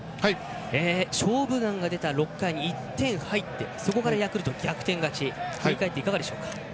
「勝負眼」が出た６回に１点入ってそこからヤクルトに逆転勝ち振り返っていかがでしょうか。